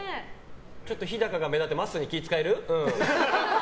ちょっと飛貴が目立ってまっすーに気を使える？